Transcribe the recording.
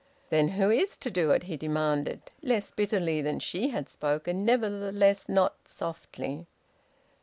"Then who is to do it?" he demanded, less bitterly than she had spoken, nevertheless not softly.